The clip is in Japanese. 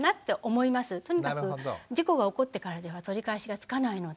とにかく事故が起こってからでは取り返しがつかないので。